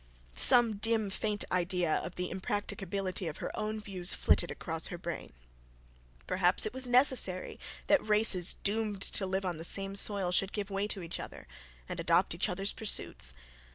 Some dim faint idea of the impracticability of her own views flitted across her brain. Perhaps it was necessary that races doomed to live on the same soil should give way to each other, and adopt each other's pursuits.